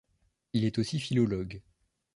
Il est aussi philologue.